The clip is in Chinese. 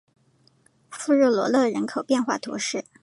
富热罗勒人口变化图示